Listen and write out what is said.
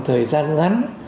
thời gian ngắn